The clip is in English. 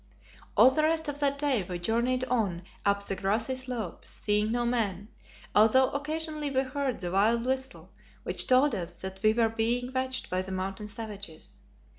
All the rest of that day we journeyed on up the grassy slopes, seeing no man, although occasionally we heard the wild whistle which told us that we were being watched by the Mountain savages.